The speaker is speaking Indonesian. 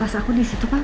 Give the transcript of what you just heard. pas aku di situ pa